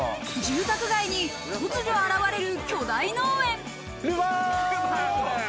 住宅街に突如現れる巨大農園。